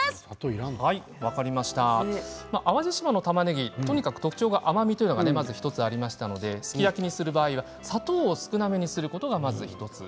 淡路島のたまねぎとにかく特徴は甘みというのが１つありましたのですき焼きにする場合砂糖を少なめにすることがまず１つ。